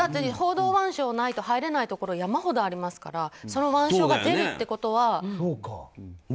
報道腕章がないと入れないところ山ほどありますからその腕章が出るっていうことは。